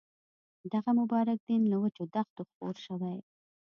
دغه مبارک دین له وچو دښتو خپور شوی.